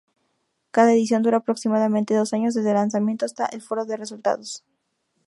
Cada edición dura aproximadamente dos años, desde el lanzamiento hasta el foro de resultados.